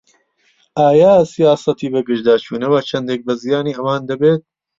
ئایا سیاسەتی بەگژداچوونەوە چەندێک بە زیانی ئەوان دەبێت؟